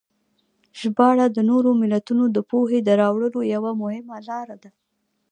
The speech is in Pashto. ژباړه د نورو ملتونو د پوهې د راوړلو یوه مهمه لاره ده.